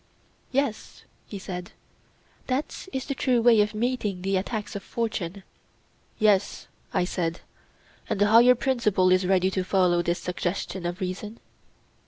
Yes, he said, that is the true way of meeting the attacks of fortune. Yes, I said; and the higher principle is ready to follow this suggestion of reason?